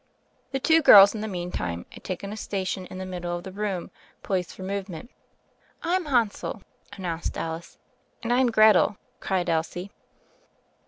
The two girls, in the meantime, had taken a station in the middle of the room, poised for movement. "I'm Hansel," announced Alice. "And I'm Gretel," cried Elsie.